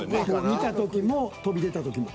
見た時も飛び出た時も。